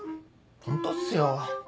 ホントっすよ。